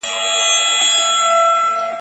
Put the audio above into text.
هی توبه چي در ته غل د لاري مل سي..